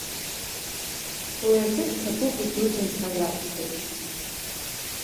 Уи азы иҭабуп идуӡӡан ҳәа иасҳәоит.